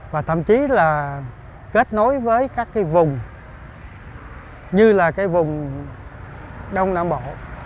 và thậm chí là kết nối với các cái vùng như là cái vùng đông nam bộ